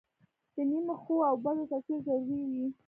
د نیمه ښو او بدو تصویر ضروري وي.